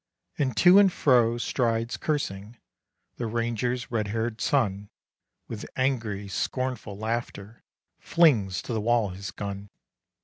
And to and fro strides, cursing, The ranger's red haired son, With angry, scornful laughter Flings to the wall his gun.